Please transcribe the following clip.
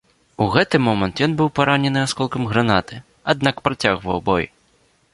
У гэты момант ён быў паранены асколкам гранаты, аднак працягваў бой.